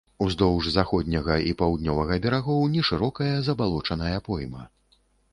Уздоўж заходняга і паўднёвага берагоў нешырокая забалочаная пойма.